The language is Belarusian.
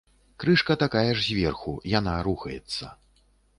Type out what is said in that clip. Крышка такая ж зверху, яна рухаецца.